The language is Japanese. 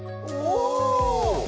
お。